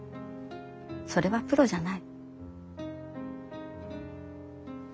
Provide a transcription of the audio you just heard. それはプロじゃない。